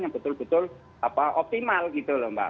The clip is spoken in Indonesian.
yang betul betul optimal gitu loh mbak